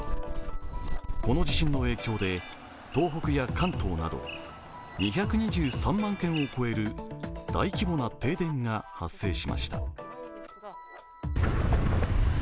この地震の影響で、東北や関東など２２３万軒を超える大規模な停電が発生しました。